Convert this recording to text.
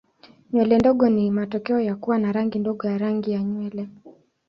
Nywele nyekundu ni matokeo ya kuwa na rangi ndogo ya rangi ya nywele.